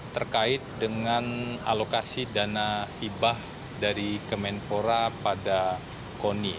terkait dengan alokasi dana hibah dari kemenpora pada koni